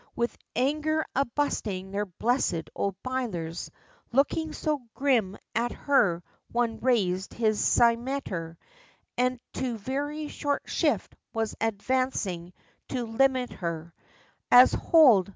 With anger 'a busting their blessed old bilers;' Looking so grim at her, One raised his cimeter, And to very short shift was advancing to limit her, As 'Hold!'